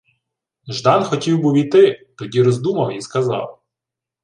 Ждан хотів був іти, тоді роздумав і сказав: